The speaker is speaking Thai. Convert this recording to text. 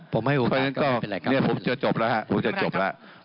เพราะฉะนั้นก็เนี่ยผมจะจบแล้วฮะผมจะจบแล้ว